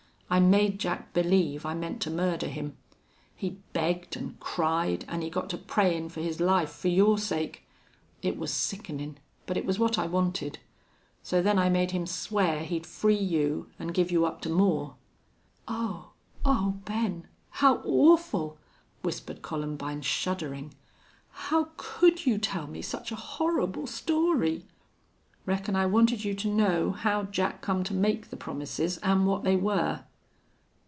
I made Jack believe I meant to murder him. He begged an' cried, an' he got to prayin' for his life for your sake. It was sickenin', but it was what I wanted. So then I made him swear he'd free you an' give you up to Moore." "Oh! Oh, Ben, how awful!" whispered Columbine, shuddering. "How could you tell me such a horrible story?" "Reckon I wanted you to know how Jack come to make the promises an' what they were."